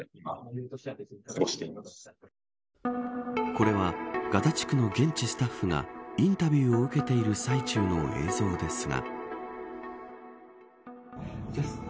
これは、ガザ地区の現地スタッフがインタビューを受けている最中の映像ですが。